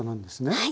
はい。